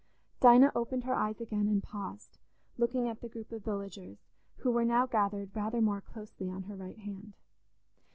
Dinah opened her eyes again and paused, looking at the group of villagers, who were now gathered rather more closely on her right hand.